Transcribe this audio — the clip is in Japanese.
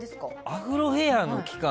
アフロヘアの期間